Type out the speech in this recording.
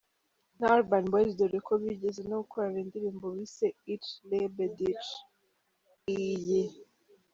na Urban Boys dore ko bigeze no gukorana indirimbo bise 'Ich Liebe Dich' iyi.